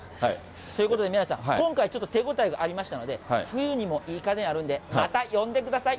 ということで宮根さん、今回、ちょっと手応えがありましたので、冬にもいい家電あるんで、また呼んでください。